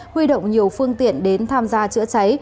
huy động nhiều phương tiện đến tham gia chữa cháy